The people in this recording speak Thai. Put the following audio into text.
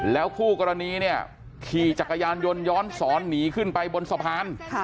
แล้วคู่กรณีเนี่ยขี่จักรยานยนต์ย้อนสอนหนีขึ้นไปบนสะพาน